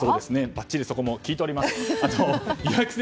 ばっちりそこも聞いております。